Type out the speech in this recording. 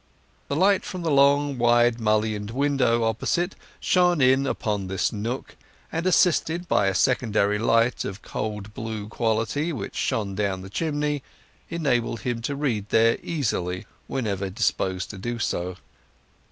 The light from the long, wide, mullioned window opposite shone in upon his nook, and, assisted by a secondary light of cold blue quality which shone down the chimney, enabled him to read there easily whenever disposed to do so.